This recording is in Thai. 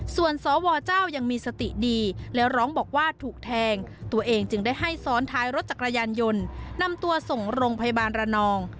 ส่วนสวเจ้ายังมีสติดีและร้องบอกว่าถูกแทงตัวเองจึงได้ให้ซ้อนท้ายรถจักรยานยนต์นำตัวส่งโรงพยาบาลระนอง